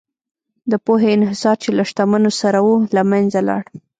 د پوهې انحصار چې له شتمنو سره و، له منځه لاړ.